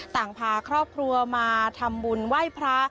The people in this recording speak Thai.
ต่างพาครอบครัวมาทำบุญไหว้พระ